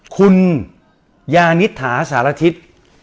คุณยานิษฐาสารทิศ